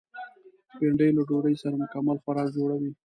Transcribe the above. بېنډۍ له ډوډۍ سره مکمل خوراک جوړوي